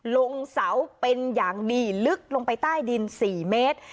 ลงเสาเป็นอย่างดีลึกลงไปใต้ดิน๔เมตร